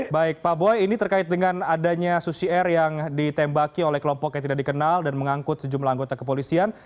baik pak boy ini terkait dengan adanya susi air yang ditembaki oleh kelompok yang tidak dikenal dan mengangkut sejumlah anggota kepolisian